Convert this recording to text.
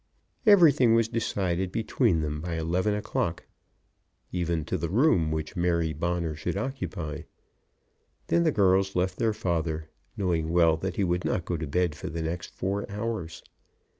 Everything was decided between them by eleven o'clock, even to the room which Mary Bonner should occupy, and then the girls left their father, knowing well that he would not go to bed for the next four hours.